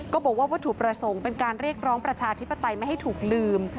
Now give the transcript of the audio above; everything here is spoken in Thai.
บอกว่าวัตถุประสงค์เป็นการเรียกร้องประชาธิปไตยไม่ให้ถูกลืม